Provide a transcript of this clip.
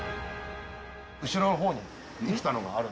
後ろのほうに生きたのがある。